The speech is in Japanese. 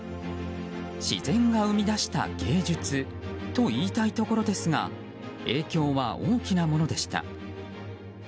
自然が生み出した芸術と言いたいところですが影響は大きなものでした。